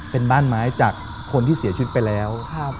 เป็นบ้านไม้จากคนที่เสียชีวิตไปแล้ว